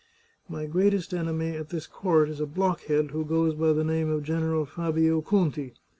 My greatest enemy at this court is a blockhead who goes by the name of General Fabio Conti.